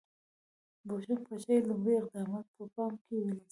د بوشنګ پاچاهۍ لومړي اقدامات په پام کې ونیسئ.